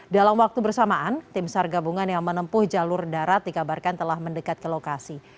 dalam waktu bersamaan tim sar gabungan yang menempuh jalur darat dikabarkan telah mendekat ke lokasi